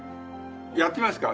やってみますか？